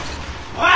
おい！